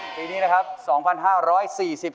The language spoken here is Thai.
ปีนี้นะครับ๒๕๔๐ครับ